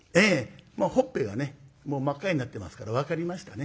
ほっぺがねもう真っ赤になってますから分かりましたね。